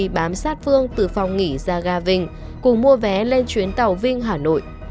bám sát phương từ phòng nghỉ ra ga vinh cùng mua vé lên chuyến tàu vinh hà nội